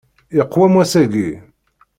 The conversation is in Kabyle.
Iqwem wass-aki.